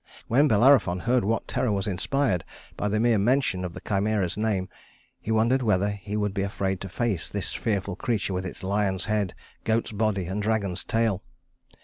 When Bellerophon heard what terror was inspired by the mere mention of the Chimæra's name, he wondered whether he would be afraid to face this fearful creature with its lion's head, goat's body, and dragon's tail.